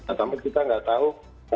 namun kita nggak tahu